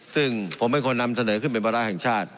ซึ่งผมไม่ควรนำเสนอขึ้นเป็นบรรณาแห่งชาติ